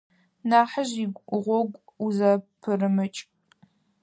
Нахьыжь игъогу узэпырымыкӏ.